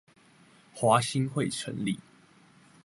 華興會成立